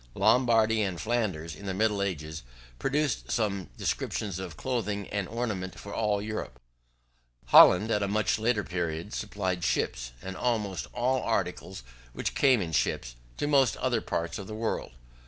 Lombardy and Flanders, in the middle ages, produced some descriptions of clothing and ornament for all Europe: Holland, at a much later period, supplied ships, and almost all articles which came in ships, to most other parts of the world.